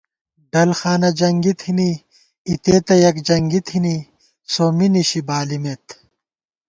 ڈل خانہ جنگی تھنی اِتےتہ یَکجنگی تھنی سومّی نِشی بانِمېت